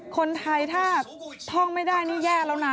คนไทยถ้าท่องไม่ได้นี่แย่แล้วนะ